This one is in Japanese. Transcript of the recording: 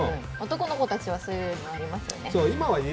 男の子たちはそういうのありますよね。